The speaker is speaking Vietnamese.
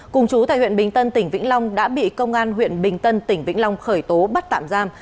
cùng chú tại huyện bình tân tỉnh vĩnh long đã bị công an huyện bình tân tỉnh vĩnh long khởi tố bắt tạm giam